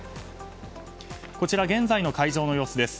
こちら、現在の会場の様子です。